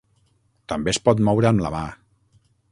També es pot moure amb la mà.